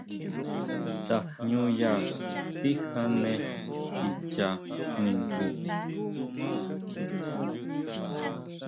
Tajñúya tijane kicha ningu.